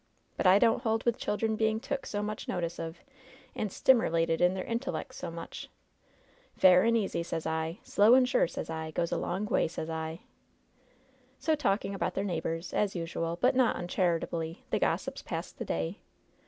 But I don't hold with children being took so much notice of, and stimmerlated in their intellects so much. Fair an' easy, sez I; slow and sure, sez I, goes a long way, sez I." So, talking about their neighbors, as usual, but not uncharitably, the gossips passed the day.